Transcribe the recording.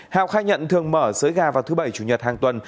hào khai nhận thường mở giới gà vào thứ bảy chủ nhật hàng tuần